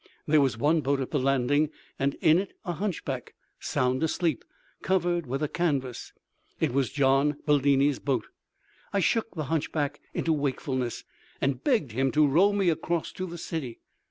There was one boat at the landing and in it a hunchback, sound asleep, covered with a canvas. It was Gian Bellini's boat. I shook the hunchback into wakefulness and begged him to row me across to the city.